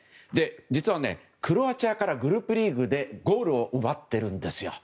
実は、クロアチアからグループリーグでゴールを奪っているんですよ。